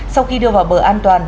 sau khi đưa vào bờ an toàn